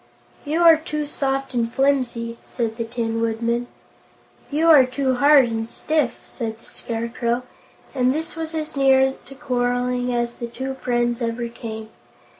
"You are too soft and flimsy," said the Tin Woodman. "You are too hard and stiff," said the Scarecrow, and this was as near to quarreling as the two friends ever came.